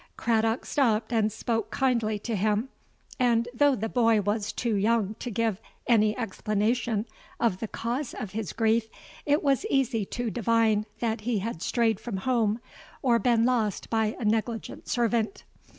Craddock stopped and spoke kindly to him; and though the boy was too young to give any explanation of the cause of his grief, it was easy to divine that he had strayed from home, or been lost by a negligent servant.